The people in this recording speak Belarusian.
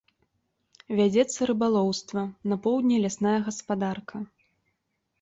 Вядзецца рыбалоўства, на поўдні лясная гаспадарка.